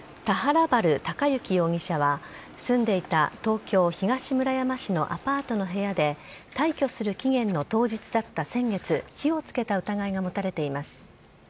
田原春貴之容疑者は、住んでいた東京・東村山市のアパートの部屋で、退去する期限の当日だった先月、火をつけた疑いが持たれています。